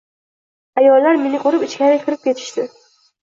Ayollar meni ko‘rib, ichkariga kirib ketishdi.